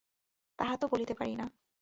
তাহা তো বলিতে পারি না।